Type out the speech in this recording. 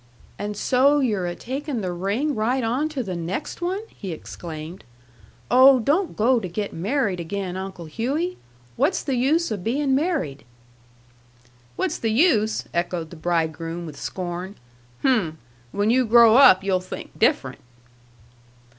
"And so you're a takin' the ring right on to the next one!" he exclaimed. "Oh, don't go to get married again, Uncle Hughey! What's the use o' being married?" "What's the use?" echoed the bridegroom, with scorn. "Hm! When you grow up you'll think different."